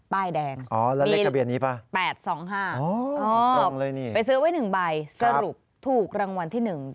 ป้ายแดงปีน๘๒๕อ๋อไปซื้อไว้หนึ่งใบสรุปถูกรางวัลที่หนึ่ง